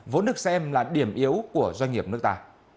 vốn được xem là điểm yếu của doanh nghiệp nước ta